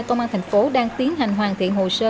công an tp ung bí đang tiến hành hoàn thiện hồ sơ